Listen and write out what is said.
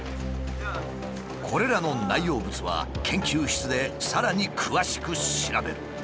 これらの内容物は研究室でさらに詳しく調べる。